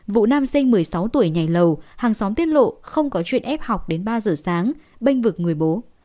vụ nam sinh một mươi sáu tuổi nhảy lầu hàng xóm tiết lộ không có chuyện ép học đến ba giờ sáng bênh vực người bố